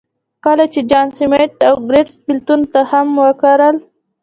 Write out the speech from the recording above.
کله چې جان سمېت او کورټس بېلتون تخم وکرل.